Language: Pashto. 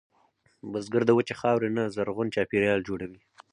بزګر د وچې خاورې نه زرغون چاپېریال جوړوي